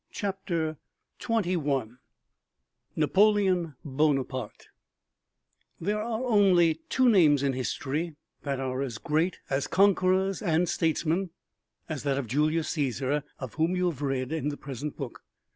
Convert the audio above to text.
CHAPTER XXI NAPOLEON BONAPARTE There are only two names in history that are as great as conquerors and statesmen as that of Julius Cæsar of whom you have read in the present book.